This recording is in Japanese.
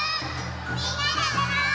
みんなでおどろう！